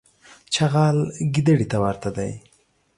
چغال ګیدړي ته ورته دی.